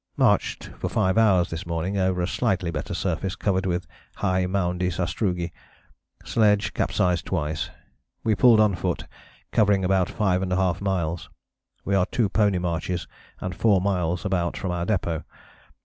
Marched for 5 hours this morning over a slightly better surface covered with high moundy sastrugi. Sledge capsized twice; we pulled on foot, covering about 5½ miles. We are two pony marches and 4 miles about from our depôt.